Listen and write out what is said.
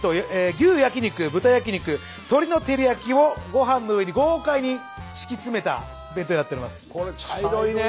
牛焼き肉豚焼き肉鶏の照り焼きをご飯の上に豪快に敷き詰めた弁当になっております。